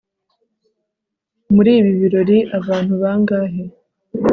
muri ibi birori abantu bangahe